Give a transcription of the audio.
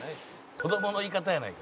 子供の言い方やないか」